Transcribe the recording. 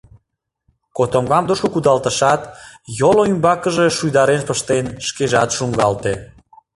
Котомкам тушко кудалтышат, йолым ӱмбакыже шуйдарен пыштен, шкежат шуҥгалте.